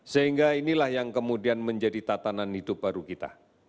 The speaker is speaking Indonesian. sehingga inilah yang kemudian menjadi tatanan hidup baru kita